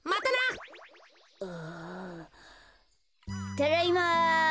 ただいま。